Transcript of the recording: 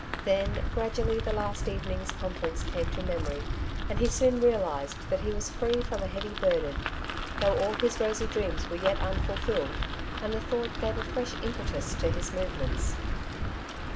Then gradually the last evening^s con ference came to memory, and he soon realized that he was free from a heavy burden, though all his rosy dreams were yet unfulfilled, and the thought gave a fresh impetus to his movements.